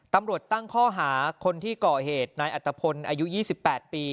ตำรวจตั้งข้อหาคนที่ก่อเหตุนายอัตภพลอายุ๒๘ปี